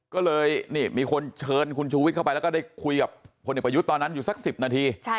ก็เลยนี่มีคนเชิญคุณชูวิทย์เข้าไปแล้วก็ได้คุยกับพลเอกประยุทธ์ตอนนั้นอยู่สัก๑๐นาที